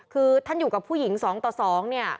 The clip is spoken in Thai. คือท่านอยู่กับผู้หญิง๒ต่อ๒เนี่ย